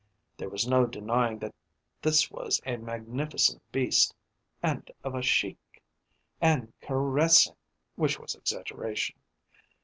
There was no denying that this was a magnificent beast. And of a chic. And caressing (which was exaggeration).